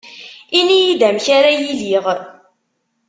Ini-yi-d amek ara iliɣ